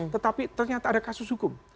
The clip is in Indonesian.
tetapi ternyata ada kasus hukum